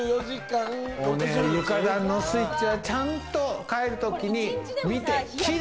床暖のスイッチは、ちゃんと帰る時に見て切る。